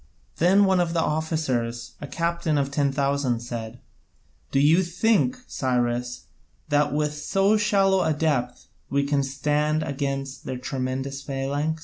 Then one of the officers, a captain of ten thousand, said: "Do you think, Cyrus, that with so shallow a depth we can stand against their tremendous phalanx?"